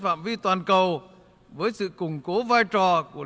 phạm vi toàn cầu với sự củng cố vai trò của